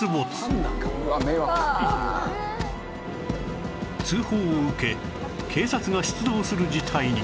通報を受け警察が出動する事態に